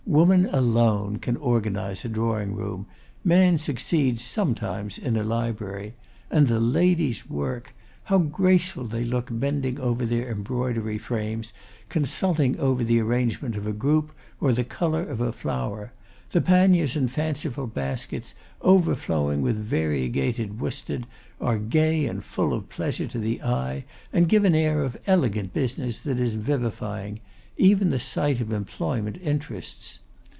Woman alone can organise a drawing room; man succeeds sometimes in a library. And the ladies' work! How graceful they look bending over their embroidery frames, consulting over the arrangement of a group, or the colour of a flower. The panniers and fanciful baskets, overflowing with variegated worsted, are gay and full of pleasure to the eye, and give an air of elegant business that is vivifying. Even the sight of employment interests.